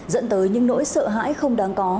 dẫn tới những nỗi sợ hãi không đáng có